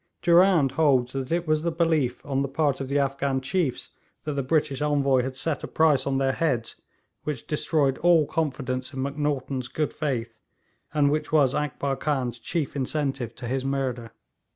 Durand holds that it was the belief on the part of the Afghan chiefs that the British Envoy had set a price on their heads which destroyed all confidence in Macnaghten's good faith, and which was Akbar Khan's chief incentive to his murder.